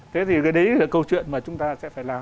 thế thì cái đấy là câu chuyện mà chúng ta sẽ phải làm